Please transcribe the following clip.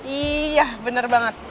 iya bener banget